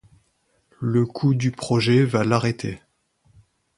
Le coût du projet va l'arrêter.